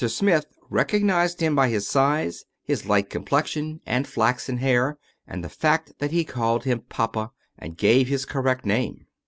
Smith recognized him by his size, his light complexion, and flaxen hair, and the fact that he called him '' papa " and gave his correct name.